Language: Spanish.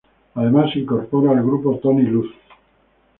Además se incorporaba al grupo Tony Luz.